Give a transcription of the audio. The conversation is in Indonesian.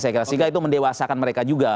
sehingga itu mendewasakan mereka juga